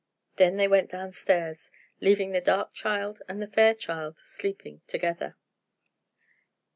Then they went down stairs, leaving the dark child and the fair child sleeping together.